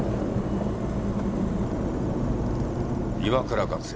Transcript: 岩倉学生。